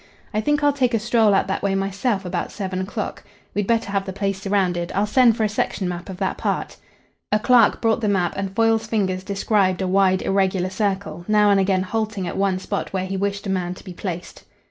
I think I'll take a stroll out that way myself about seven o'clock. We'd better have the place surrounded. I'll send for a section map of that part." A clerk brought the map, and Foyle's fingers described a wide, irregular circle, now and again halting at one spot where he wished a man to be placed.